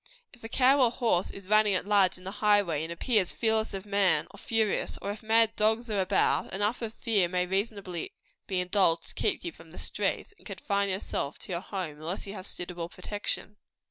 If a cow or horse is running at large in the highway, and appears fearless of man, or furious, or if mad dogs are about, enough of fear may reasonably be indulged to keep you from the streets, and confine you to your home, unless you have suitable protection.